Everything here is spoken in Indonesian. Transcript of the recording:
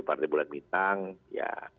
partai bulan bintang ya